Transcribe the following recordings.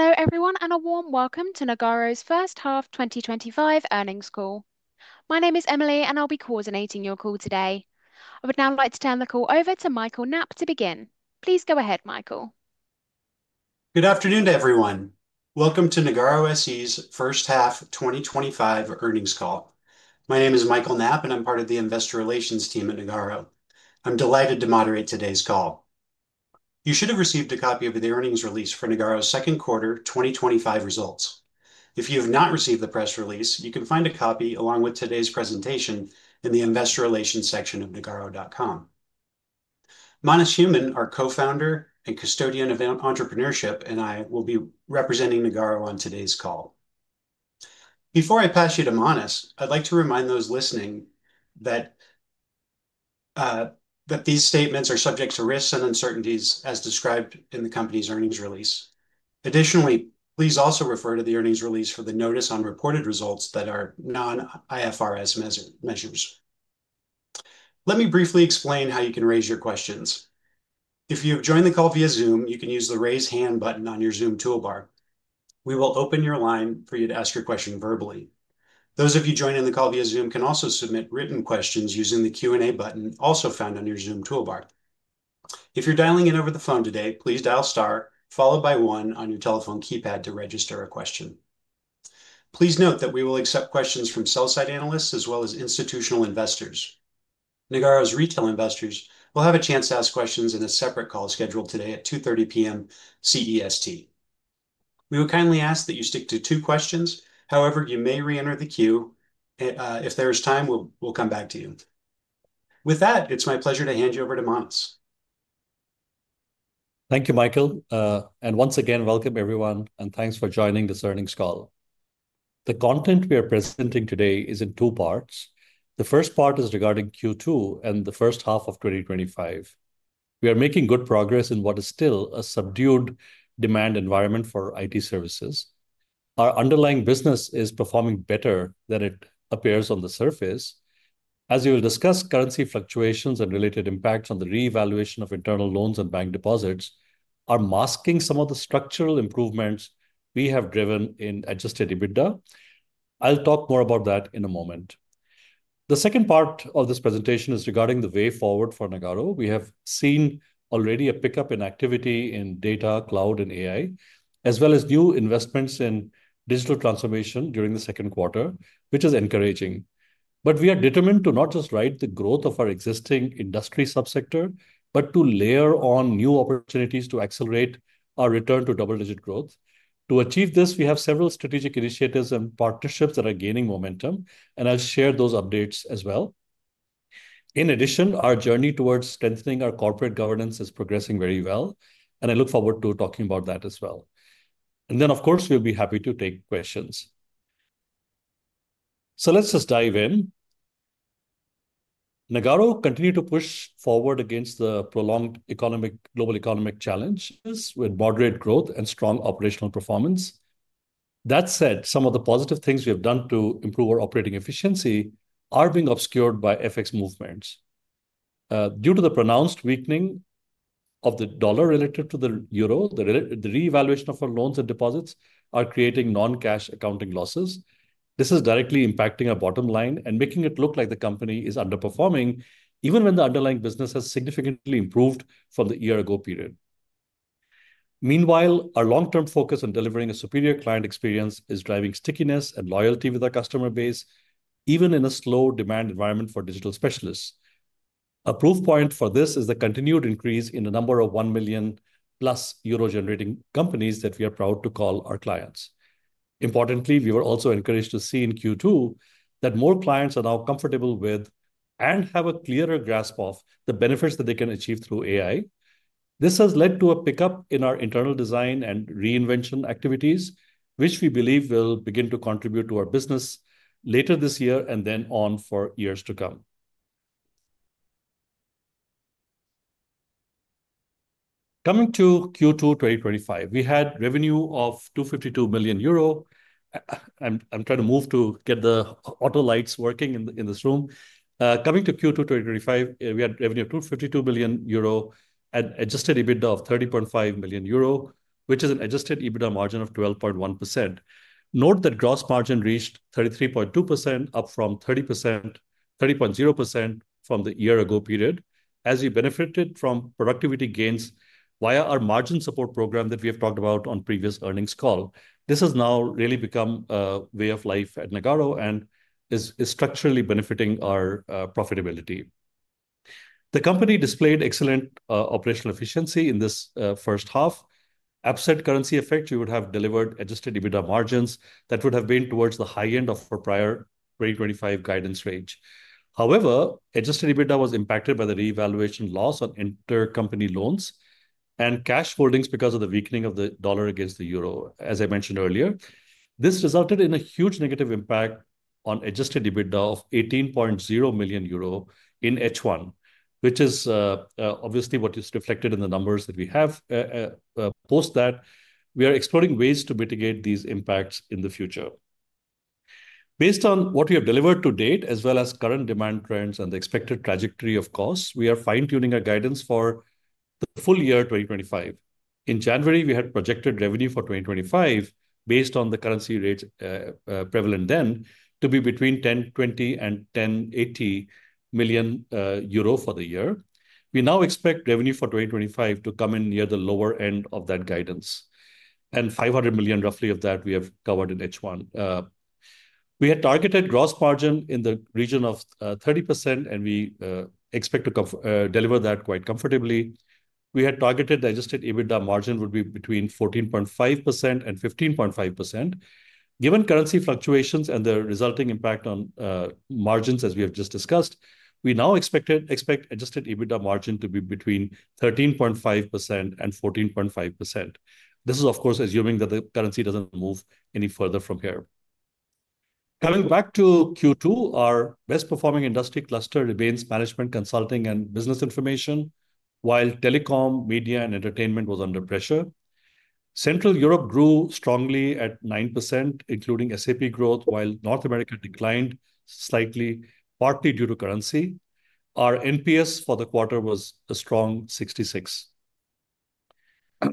Hello everyone and a warm welcome to Nagarro's First Half 2025 Earnings Call. My name is Emily and I'll be coordinating your call today. I would now like to turn the call over to Michael Knapp to begin. Please go ahead, Michael. Good afternoon everyone. Welcome to Nagarro SE's First Half 2025 Earnings Call. My name is Michael Knapp and I'm part of the Investor Relations team at Nagarro. I'm delighted to moderate today's call. You should have received a copy of the earnings release for Nagarro's second quarter 2025 results. If you have not received the press release, you can find a copy along with today's presentation in the Investor Relations section of nagarro.com. Manas Human, our Co-Founder and Custodian of Entrepreneurship, and I will be representing Nagarro on today's call. Before I pass you to Manas, I'd like to remind those listening that these statements are subject to risks and uncertainties as described in the company's earnings release. Additionally, please also refer to the earnings release for the notice on reported results that are non-IFRS measures. Let me briefly explain how you can raise your questions. If you have joined the call via Zoom, you can use the Raise Hand button on your Zoom toolbar. We will open your line for you to ask your question verbally. Those of you joining the call via Zoom can also submit written questions using the Q&A button also found on your Zoom toolbar. If you're dialing in over the phone today, please dial star, followed by one on your telephone keypad to register a question. Please note that we will accept questions from sell-side analysts as well as institutional investors. Nagarro's retail investors will have a chance to ask questions in a separate call scheduled today at 2:30 P.M. CEST. We will kindly ask that you stick to two questions, however, you may re-enter the queue. If there is time, we'll come back to you. With that, it's my pleasure to hand you over to Manas. Thank you, Michael. Once again, welcome everyone and thanks for joining this earnings call. The content we are presenting today is in two parts. The first part is regarding Q2 and the first half of 2025. We are making good progress in what is still a subdued demand environment for IT services. Our underlying business is performing better than it appears on the surface. As you will discuss, currency fluctuations and related impacts on the re-evaluation of internal loans and bank deposits are masking some of the structural improvements we have driven in adjusted EBITDA. I'll talk more about that in a moment. The second part of this presentation is regarding the way forward for Nagarro. We have seen already a pickup in activity in data, cloud, and AI, as well as new investments in digital transformation during the second quarter, which is encouraging. We are determined to not just ride the growth of our existing industry subsector, but to layer on new opportunities to accelerate our return to double-digit growth. To achieve this, we have several strategic initiatives and partnerships that are gaining momentum, and I'll share those updates as well. In addition, our journey towards strengthening our corporate governance is progressing very well, and I look forward to talking about that as well. Of course, we'll be happy to take questions. Let's just dive in. Nagarro continues to push forward against the prolonged global economic challenges with moderate growth and strong operational performance. That said, some of the positive things we have done to improve our operating efficiency are being obscured by FX movements. Due to the pronounced weakening of the dollar related to the euro, the re-evaluation of our loans and deposits is creating non-cash accounting losses. This is directly impacting our bottom line and making it look like the company is underperforming, even when the underlying business has significantly improved from the year-ago period. Meanwhile, our long-term focus on delivering a superior client experience is driving stickiness and loyalty with our customer base, even in a slow demand environment for digital specialists. A proof point for this is the continued increase in the number of 1 million+ euro-generating companies that we are proud to call our clients. Importantly, we were also encouraged to see in Q2 that more clients are now comfortable with and have a clearer grasp of the benefits that they can achieve through AI. This has led to a pickup in our internal design and reinvention activities, which we believe will begin to contribute to our business later this year and then on for years to come. Coming to Q2 2025, we had revenue of 252 million euro. I'm trying to move to get the auto lights working in this room. Coming to Q2 2025, we had revenue of 252 million euro and adjusted EBITDA of 30.5 million euro, which is an adjusted EBITDA margin of 12.1%. Note that gross margin reached 33.2%, up from 30.0% from the year-ago period, as we benefited from productivity gains via our margin support program that we have talked about on previous earnings call. This has now really become a way of life at Nagarro and is structurally benefiting our profitability. The company displayed excellent operational efficiency in this first half. Absent currency effect, you would have delivered adjusted EBITDA margins that would have been towards the high end of our prior 2025 guidance range. However, adjusted EBITDA was impacted by the re-evaluation loss on intercompany loans and cash holdings because of the weakening of the dollar against the euro, as I mentioned earlier. This resulted in a huge negative impact on adjusted EBITDA of 18.0 million euro in H1, which is obviously what is reflected in the numbers that we have. Post that, we are exploring ways to mitigate these impacts in the future. Based on what we have delivered to date, as well as current demand trends and the expected trajectory of costs, we are fine-tuning our guidance for the full year 2025. In January, we had projected revenue for 2025, based on the currency rates prevalent then, to be between 1,020 million-1,080 million euro for the year. We now expect revenue for 2025 to come in near the lower end of that guidance. 500 million roughly of that we have covered in H1. We had targeted gross margin in the region of 30%, and we expect to deliver that quite comfortably. We had targeted adjusted EBITDA margin would be between 14.5%-15.5%. Given currency fluctuations and the resulting impact on margins, as we have just discussed, we now expect adjusted EBITDA margin to be between 13.5%-14.5%. This is, of course, assuming that the currency doesn't move any further from here. Coming back to Q2, our best-performing industry cluster remains management, consulting, and business information, while telecom, media, and entertainment were under pressure. Central Europe grew strongly at 9%, including SAP growth, while North America declined slightly, partly due to currency. Our NPS for the quarter was a strong 66.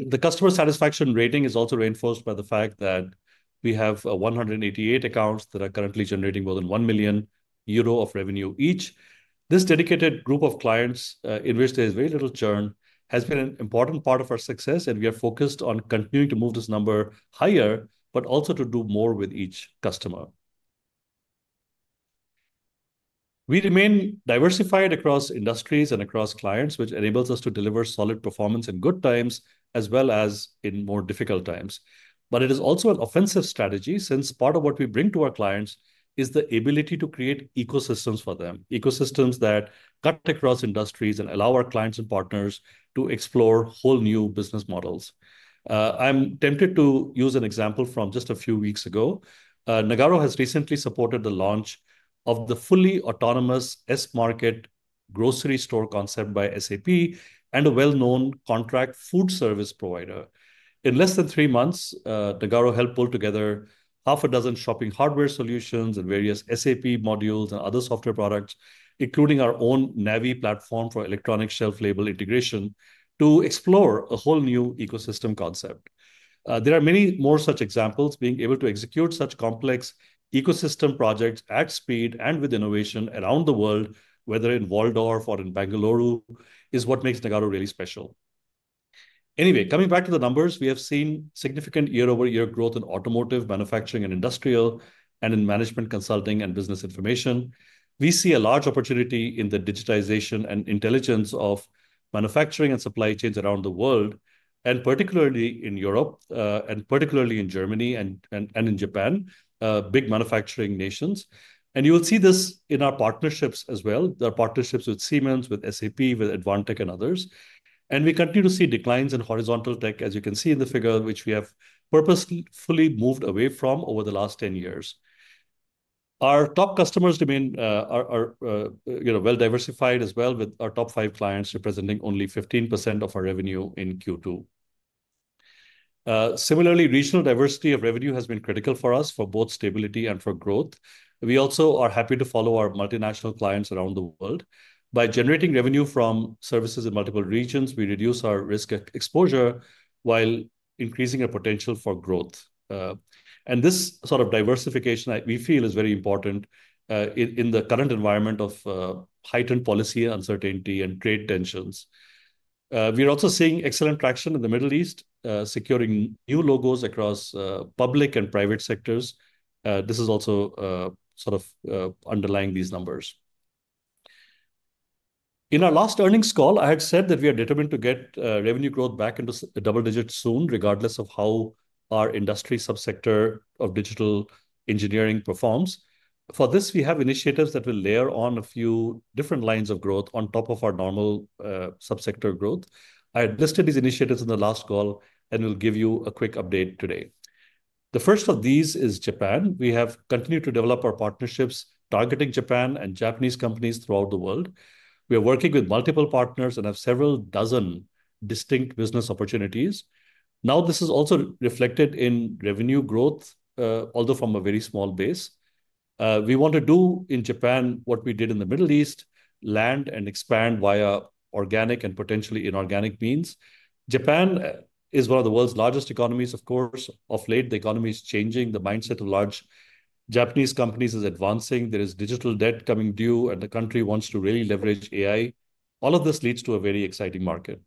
The customer satisfaction rating is also reinforced by the fact that we have 188 accounts that are currently generating more than 1 million euro of revenue each. This dedicated group of clients in which there is very little churn has been an important part of our success, and we are focused on continuing to move this number higher, but also to do more with each customer. We remain diversified across industries and across clients, which enables us to deliver solid performance in good times, as well as in more difficult times. It is also an offensive strategy since part of what we bring to our clients is the ability to create ecosystems for them, ecosystems that cut across industries and allow our clients and partners to explore whole new business models. I'm tempted to use an example from just a few weeks ago. Nagarro has recently supported the launch of the fully autonomous S-market grocery store concept by SAP and a well-known contract food service provider. In less than three months, Nagarro helped pull together half a dozen shopping hardware solutions and various SAP modules and other software products, including our own Navi platform for electronic shelf label integration, to explore a whole new ecosystem concept. There are many more such examples. Being able to execute such complex ecosystem projects at speed and with innovation around the world, whether in Waldorf or in Bengaluru, is what makes Nagarro really special. Anyway, coming back to the numbers, we have seen significant year-over-year growth in automotive, manufacturing, and industrial, and in management, consulting, and business information. We see a large opportunity in the digitization and intelligence of manufacturing and supply chains around the world, particularly in Europe, and particularly in Germany and in Japan, big manufacturing nations. You will see this in our partnerships as well. There are partnerships with Siemens, with SAP, with Advantech, and others. We continue to see declines in horizontal tech, as you can see in the figure, which we have purposefully moved away from over the last 10 years. Our top customers remain, you know, well diversified as well, with our top five clients representing only 15% of our revenue in Q2. Similarly, regional diversity of revenue has been critical for us for both stability and for growth. We also are happy to follow our multinational clients around the world. By generating revenue from services in multiple regions, we reduce our risk exposure while increasing our potential for growth. This sort of diversification we feel is very important in the current environment of heightened policy uncertainty and trade tensions. We're also seeing excellent traction in the Middle East, securing new logos across public and private sectors. This is also sort of underlying these numbers. In our last earnings call, I had said that we are determined to get revenue growth back into double digits soon, regardless of how our industry subsector of digital engineering performs. For this, we have initiatives that will layer on a few different lines of growth on top of our normal subsector growth. I had listed these initiatives in the last call and will give you a quick update today. The first of these is Japan. We have continued to develop our partnerships targeting Japan and Japanese companies throughout the world. We are working with multiple partners and have several dozen distinct business opportunities. This is also reflected in revenue growth, although from a very small base. We want to do in Japan what we did in the Middle East: land and expand via organic and potentially inorganic means. Japan is one of the world's largest economies, of course. Of late, the economy is changing. The mindset of large Japanese companies is advancing. There is digital debt coming due, and the country wants to really leverage AI. All of this leads to a very exciting market.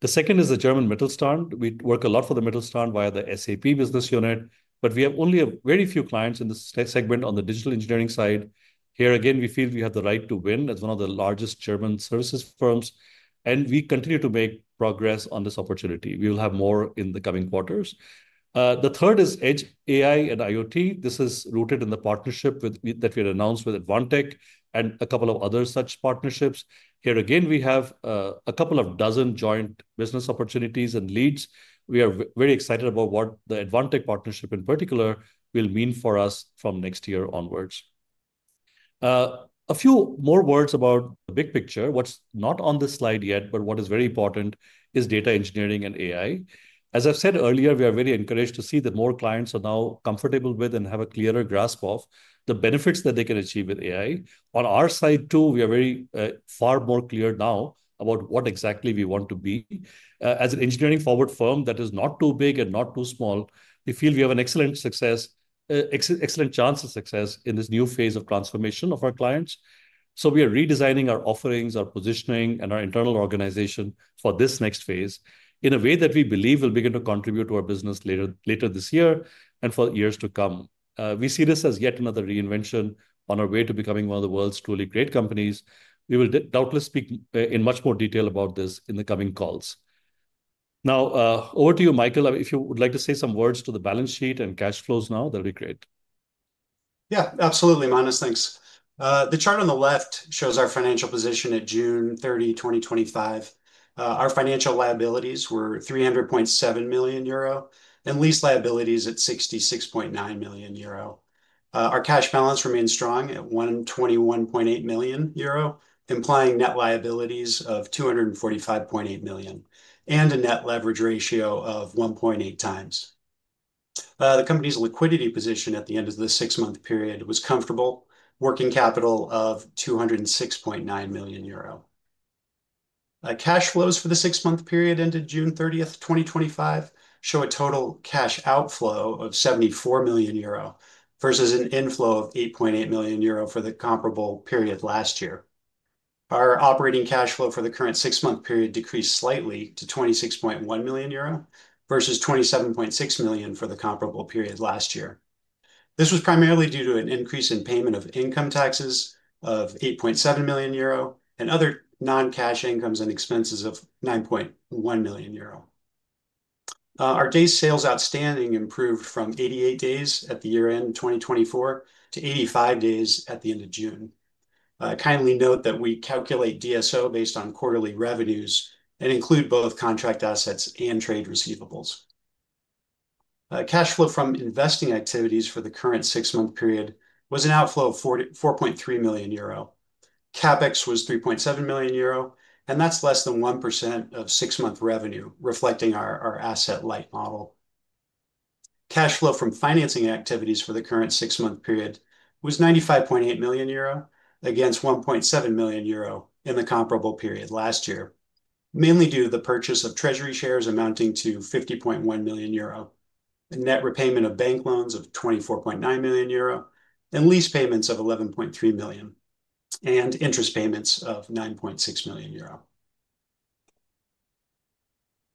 The second is the German Mittelstand. We work a lot for the Mittelstand via the SAP business unit, but we have only very few clients in this segment on the digital engineering side. Here again, we feel we have the right to win as one of the largest German services firms, and we continue to make progress on this opportunity. We will have more in the coming quarters. The third is Edge AI and IoT. This is rooted in the partnership that we had announced with Advantech and a couple of other such partnerships. Here again, we have a couple of dozen joint business opportunities and leads. We are very excited about what the Advantech partnership in particular will mean for us from next year onwards. A few more words about the big picture. What's not on this slide yet, but what is very important is data engineering and AI. As I've said earlier, we are very encouraged to see that more clients are now comfortable with and have a clearer grasp of the benefits that they can achieve with AI. On our side too, we are very far more clear now about what exactly we want to be. As an engineering-forward firm that is not too big and not too small, we feel we have an excellent chance of success in this new phase of transformation of our clients. We are redesigning our offerings, our positioning, and our internal organization for this next phase in a way that we believe will begin to contribute to our business later this year and for years to come. We see this as yet another reinvention on our way to becoming one of the world's truly great companies. We will doubtless speak in much more detail about this in the coming calls. Now, over to you, Michael, if you would like to say some words to the balance sheet and cash flows now, that'd be great. Yeah, absolutely, Manas. Thanks. The chart on the left shows our financial position at June 30, 2025. Our financial liabilities were 300.7 million euro and lease liabilities at 66.9 million euro. Our cash balance remains strong at 121.8 million euro, implying net liabilities of 245.8 million and a net leverage ratio of 1.8 times. The company's liquidity position at the end of the six-month period was comfortable, working capital of 206.9 million euro. Cash flows for the six-month period ended June 30, 2025, show a total cash outflow of 74 million euro versus an inflow of 8.8 million euro for the comparable period last year. Our operating cash flow for the current six-month period decreased slightly to 26.1 million euro versus 27.6 million for the comparable period last year. This was primarily due to an increase in payment of income taxes of 8.7 million euro and other non-cash incomes and expenses of 9.1 million euro. Our day sales outstanding improved from 88 days at the year-end 2024 to 85 days at the end of June. I kindly note that we calculate DSO based on quarterly revenues and include both contract assets and trade receivables. Cash flow from investing activities for the current six-month period was an outflow of 4.3 million euro. CapEx was 3.7 million euro, and that's less than 1% of six-month revenue, reflecting our asset light model. Cash flow from financing activities for the current six-month period was 95.8 million euro against 1.7 million euro in the comparable period last year, mainly due to the purchase of treasury shares amounting to 50.1 million euro, a net repayment of bank loans of 24.9 million euro, lease payments of 11.3 million, and interest payments of 9.6 million euro.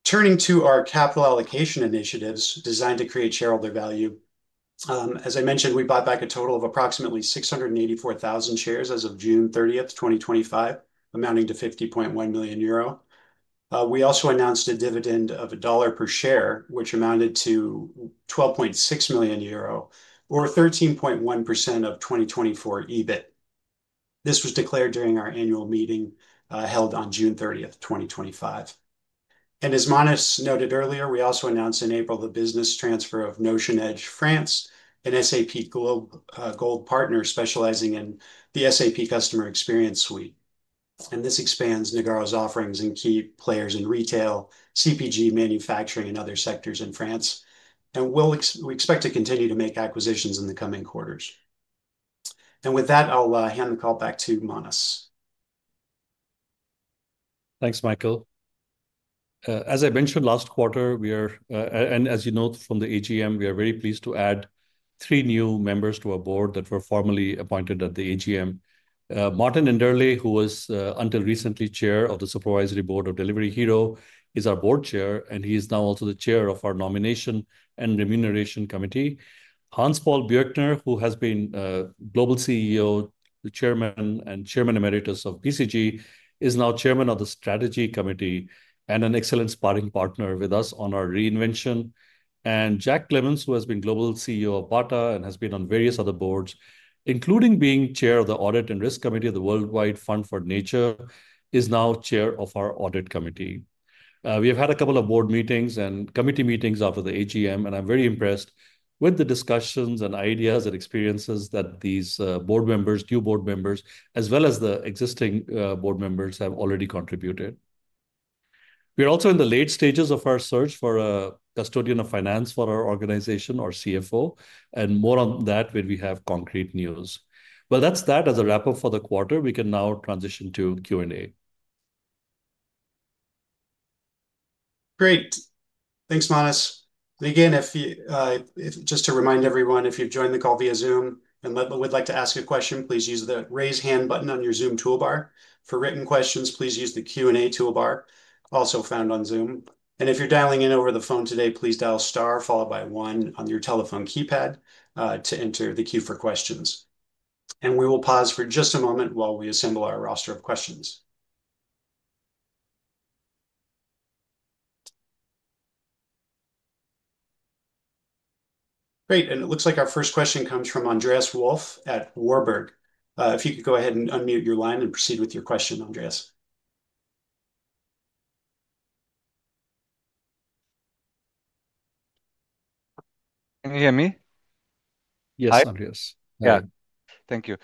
Turning to our capital allocation initiatives designed to create shareholder value, as I mentioned, we bought back a total of approximately 684,000 shares as of June 30, 2025, amounting to 50.1 million euro. We also announced a dividend of $1 per share, which amounted to 12.6 million euro, or 13.1% of 2024 EBIT. This was declared during our annual meeting held on June 30, 2025. As Manas noted earlier, we also announced in April the business transfer of Notion Edge France and SAP Globe Gold Partners specializing in the SAP Customer Experience Suite. This expands Nagarro's offerings and key players in retail, CPG manufacturing, and other sectors in France. We expect to continue to make acquisitions in the coming quarters. With that, I'll hand the call back to Manas. Thanks, Michael. As I mentioned last quarter, we are, and as you know from the AGM, we are very pleased to add three new members to our board that were formally appointed at the AGM. Martin Enderle, who was until recently Chair of the Supervisory Board of Delivery Hero, is our Board Chair, and he is now also the Chair of our Nomination and Remuneration Committee. Hans-Paul Bürkner, who has been Global CEO, the Chairman and Chairman Emeritus of BCG, is now Chairman of the Strategy Committee and an excellent sparring partner with us on our reinvention. Jack Clemons, who has been Global CEO of Bata and has been on various other boards, including being Chair of the Audit and Risk Committee of the Worldwide Fund for Nature, is now Chair of our Audit Committee. We have had a couple of board meetings and committee meetings after the AGM, and I'm very impressed with the discussions and ideas and experiences that these board members, new board members, as well as the existing board members have already contributed. We are also in the late stages of our search for a Custodian of Finance for our organization, or CFO, and more on that when we have concrete news. That is a wrap-up for the quarter. We can now transition to Q&A. Great. Thanks, Manas. Again, just to remind everyone, if you've joined the call via Zoom and would like to ask a question, please use the Raise Hand button on your Zoom toolbar. For written questions, please use the Q&A toolbar also found on Zoom. If you're dialing in over the phone today, please dial star, followed by one on your telephone keypad to enter the queue for questions. We will pause for just a moment while we assemble our roster of questions. Great. It looks like our first question comes from Andreas Wolf at Warburg. If you could go ahead and unmute your line and proceed with your question, Andreas. Can you hear me? Yes, Andreas. Thank you.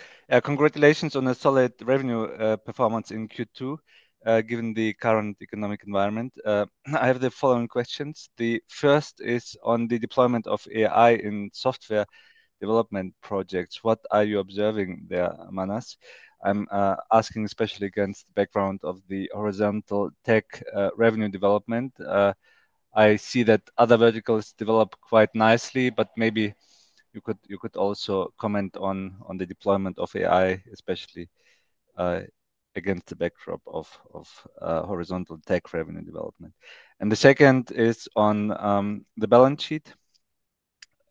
Congratulations on a solid revenue performance in Q2 given the current economic environment. I have the following questions. The first is on the deployment of AI in software development projects. What are you observing there, Manas? I'm asking especially against the background of the horizontal tech revenue development. I see that other verticals develop quite nicely, but maybe you could also comment on the deployment of AI, especially against the backdrop of horizontal tech revenue development. The second is on the balance sheet,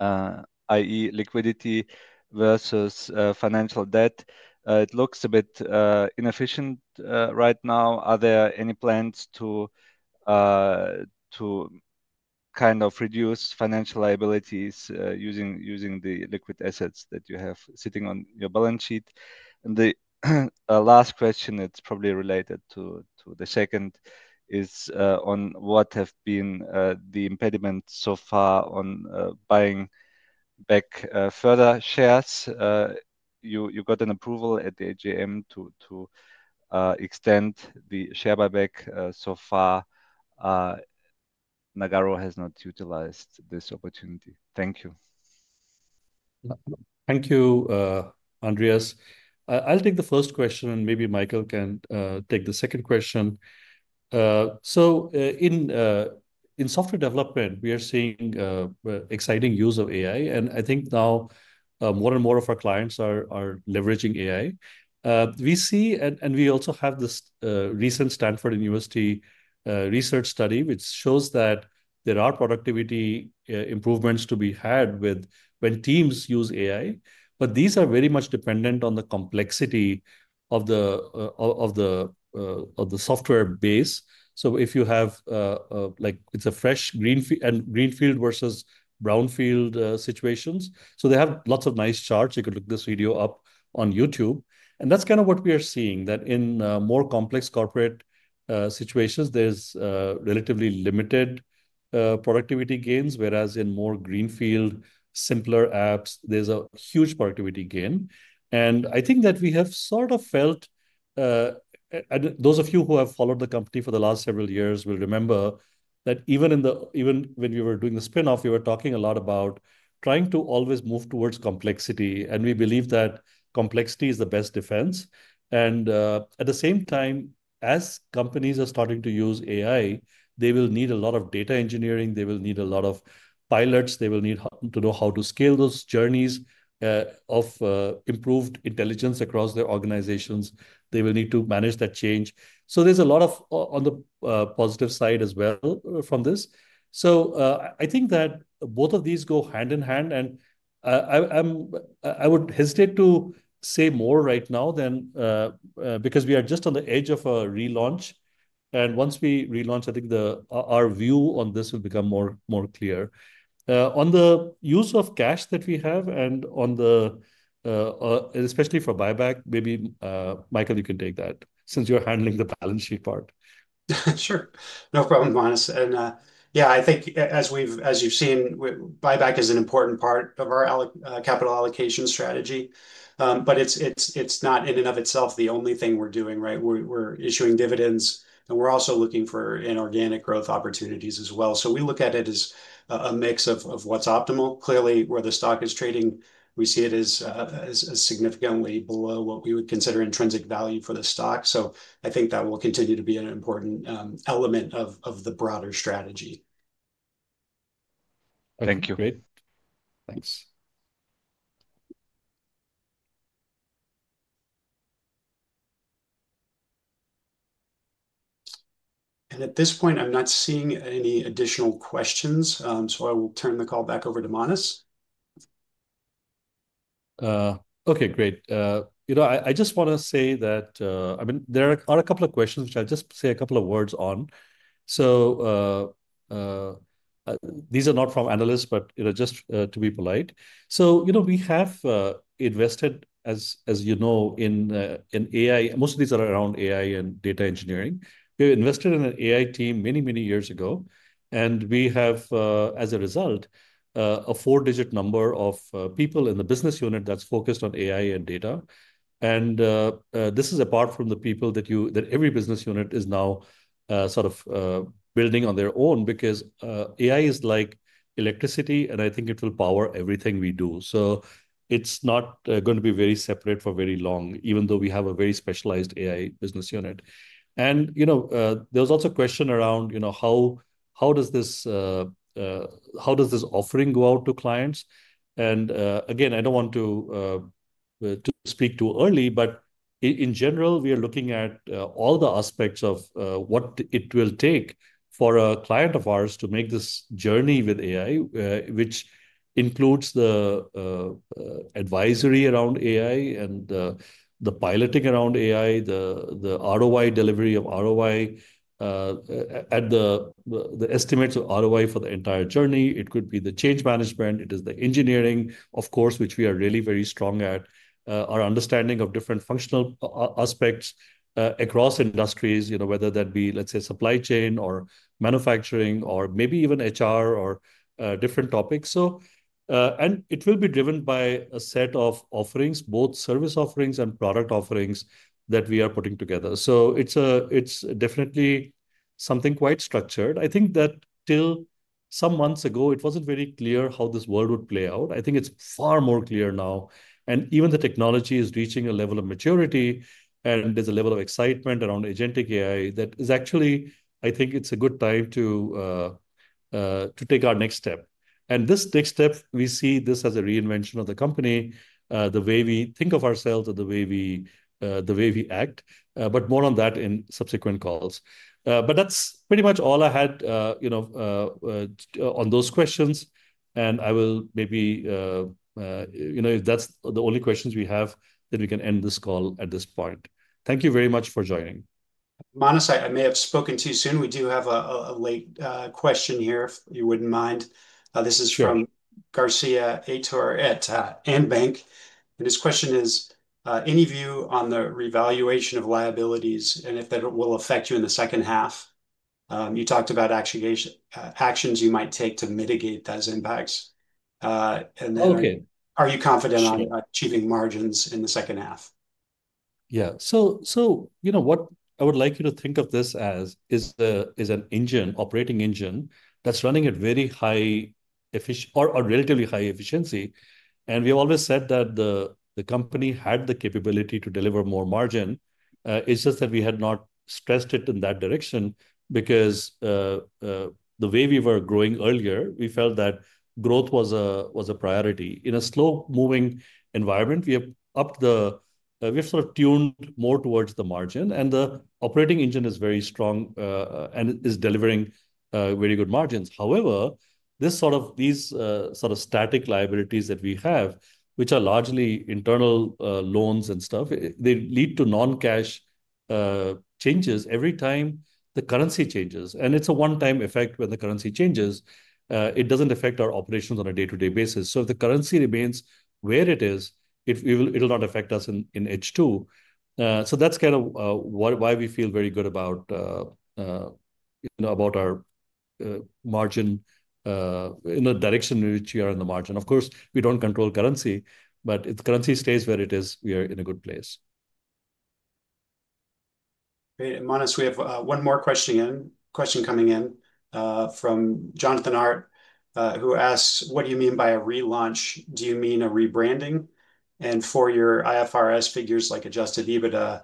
i.e., liquidity versus financial debt. It looks a bit inefficient right now. Are there any plans to kind of reduce financial liabilities using the liquid assets that you have sitting on your balance sheet? The last question, it's probably related to the second, is on what have been the impediments so far on buying back further shares. You got an approval at the AGM to extend the share buyback so far. Nagarro has not utilized this opportunity. Thank you. Thank you, Andreas. I'll take the first question, and maybe Michael can take the second question. In software development, we are seeing exciting use of AI, and I think now more and more of our clients are leveraging AI. We see, and we also have this recent Stanford University research study, which shows that there are productivity improvements to be had when teams use AI, but these are very much dependent on the complexity of the software base. If you have, like, it's a fresh greenfield versus brownfield situations, they have lots of nice charts. You can look this video up on YouTube. That's kind of what we are seeing, that in more complex corporate situations, there's relatively limited productivity gains, whereas in more greenfield, simpler apps, there's a huge productivity gain. I think that we have sort of felt, and those of you who have followed the company for the last several years will remember that even when we were doing the spin-off, we were talking a lot about trying to always move towards complexity, and we believe that complexity is the best defense. At the same time, as companies are starting to use AI, they will need a lot of data engineering. They will need a lot of pilots. They will need to know how to scale those journeys of improved intelligence across their organizations. They will need to manage that change. There's a lot on the positive side as well from this. I think that both of these go hand in hand, and I would hesitate to say more right now because we are just on the edge of a relaunch. Once we relaunch, I think our view on this will become more clear. On the use of cash that we have and on the, especially for buyback, maybe, Michael, you can take that since you're handling the balance sheet part. No problem, Manas. I think as you've seen, buyback is an important part of our capital allocation strategy, but it's not in and of itself the only thing we're doing, right? We're issuing dividends, and we're also looking for inorganic growth opportunities as well. We look at it as a mix of what's optimal. Clearly, where the stock is trading, we see it as significantly below what we would consider intrinsic value for the stock. I think that will continue to be an important element of the broader strategy. Great. Thanks. At this point, I'm not seeing any additional questions, so I will turn the call back over to Manas. Okay, great. I just want to say that there are a couple of questions which I'll just say a couple of words on. These are not from analysts, but just to be polite. We have invested, as you know, in AI. Most of these are around AI and data engineering. We invested in an AI team many, many years ago, and we have, as a result, a four-digit number of people in the business unit that's focused on AI and data. This is apart from the people that every business unit is now sort of building on their own because AI is like electricity, and I think it will power everything we do. It's not going to be very separate for very long, even though we have a very specialized AI business unit. There was also a question around how this offering goes out to clients. I don't want to speak too early, but in general, we are looking at all the aspects of what it will take for a client of ours to make this journey with AI, which includes the advisory around AI and the piloting around AI, the delivery of ROI, and the estimates of ROI for the entire journey. It could be the change management. It is the engineering, of course, which we are really very strong at. Our understanding of different functional aspects across industries, whether that be, let's say, supply chain or manufacturing or maybe even HR or different topics. It will be driven by a set of offerings, both service offerings and product offerings that we are putting together. It's definitely something quite structured. I think that till some months ago, it wasn't very clear how this world would play out. I think it's far more clear now. Even the technology is reaching a level of maturity, and there's a level of excitement around agentic AI that is actually, I think it's a good time to take our next step. This next step, we see this as a reinvention of the company, the way we think of ourselves and the way we act, but more on that in subsequent calls. That's pretty much all I had on those questions. If that's the only questions we have, then we can end this call at this point. Thank you very much for joining. Manas, I may have spoken too soon. We do have a late question here, if you wouldn't mind. This is from [Garcia] at EMBank. His question is, any view on the revaluation of liabilities and if that will affect you in the second half? You talked about actions you might take to mitigate those impacts. Are you confident on achieving margins in the second half? Yeah. What I would like you to think of this as is an engine, operating engine that's running at very high efficiency or relatively high efficiency. We've always said that the company had the capability to deliver more margin. It's just that we had not stressed it in that direction because the way we were growing earlier, we felt that growth was a priority. In a slow-moving environment, we have upped the, we have sort of tuned more towards the margin, and the operating engine is very strong and is delivering very good margins. However, these sort of static liabilities that we have, which are largely internal loans and stuff, they lead to non-cash changes every time the currency changes. It's a one-time effect when the currency changes. It doesn't affect our operations on a day-to-day basis. If the currency remains where it is, it will not affect us in H2. That's kind of why we feel very good about our margin, the direction in which we are in the margin. Of course, we don't control currency, but if the currency stays where it is, we are in a good place. Hey, Manas, we have one more question coming in from [Jonathan Arp], who asks, what do you mean by a relaunch? Do you mean a rebranding? For your IFRS figures, like adjusted EBITDA,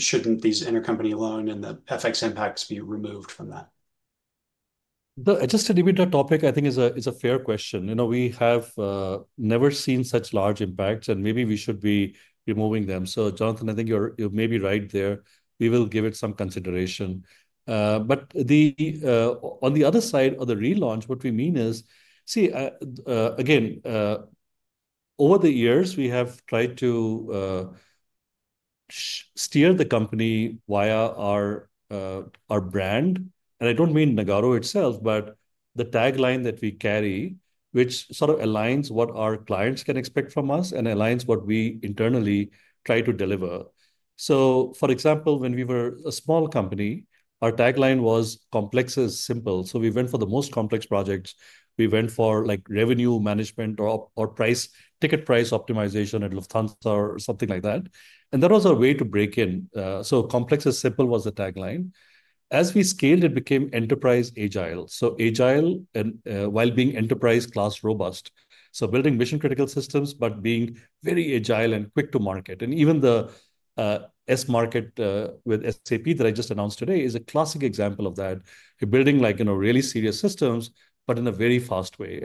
shouldn't these intercompany loan and the FX impacts be removed from that? The adjusted EBITDA topic, I think, is a fair question. We have never seen such large impacts, and maybe we should be removing them. Jonathan, I think you're maybe right there. We will give it some consideration. On the other side of the relaunch, what we mean is, over the years, we have tried to steer the company via our brand. I don't mean Nagarro itself, but the tagline that we carry, which sort of aligns what our clients can expect from us and aligns what we internally try to deliver. For example, when we were a small company, our tagline was complex is simple. We went for the most complex projects. We went for revenue management or ticket price optimization at Lufthansa or something like that. That was our way to break in. Complex is simple was the tagline. As we scaled, it became enterprise agile. Agile and while being enterprise class robust. Building mission-critical systems, but being very agile and quick to market. Even the S market with SAP that I just announced today is a classic example of that. You're building really serious systems, but in a very fast way.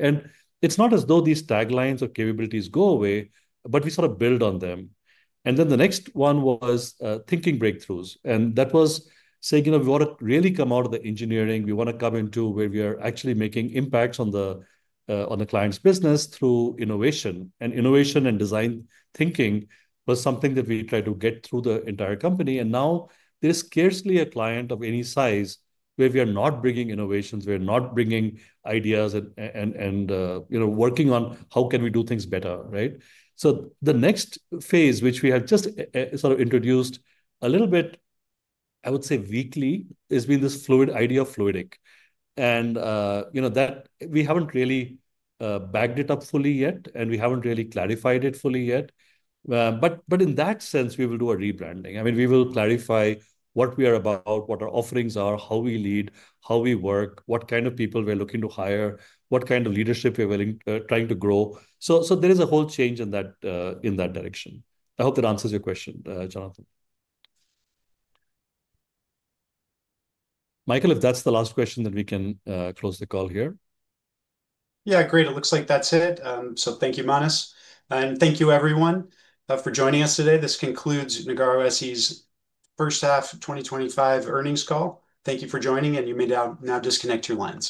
It's not as though these taglines or capabilities go away, but we sort of build on them. The next one was thinking breakthroughs. That was saying we want to really come out of the engineering. We want to come into where we are actually making impacts on the client's business through innovation. Innovation and design thinking was something that we tried to get through the entire company. Now there's scarcely a client of any size where we are not bringing innovations, we're not bringing ideas and working on how can we do things better, right? The next phase, which we had just sort of introduced a little bit, I would say weakly, has been this fluid idea of fluidic. We haven't really bagged it up fully yet, and we haven't really clarified it fully yet. In that sense, we will do a rebranding. We will clarify what we are about, what our offerings are, how we lead, how we work, what kind of people we're looking to hire, what kind of leadership we're trying to grow. There is a whole change in that direction. I hope that answers your question, Jonathan. Michael, if that's the last question, then we can close the call here. Great. It looks like that's it. Thank you, Manas. Thank you, everyone, for joining us today. This concludes Nagarro SE's First Half 2025 Earnings Call. Thank you for joining, and you may now disconnect the lines.